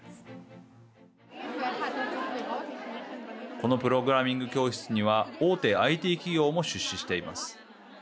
このプログラミング教室には大手ＩＴ企業も出資しています。